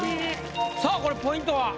さぁこれポイントは？